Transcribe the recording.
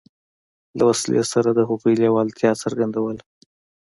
له وسلې سره د هغوی لېوالتیا څرګندوله.